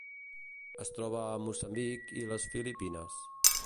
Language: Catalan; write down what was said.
Es troba a Moçambic i les Filipines.